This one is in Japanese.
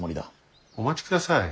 お待ちください。